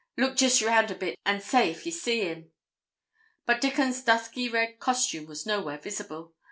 Look jist round a bit and say if ye see him.' But Dickon's dusky red costume was nowhere visible.